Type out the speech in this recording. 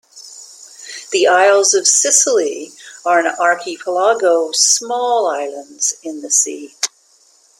The Isles of Scilly are an archipelago of small islands in the sea.